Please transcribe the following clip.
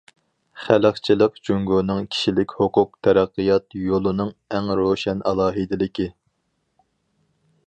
خەلقچىللىق جۇڭگونىڭ كىشىلىك ھوقۇق تەرەققىيات يولىنىڭ ئەڭ روشەن ئالاھىدىلىكى.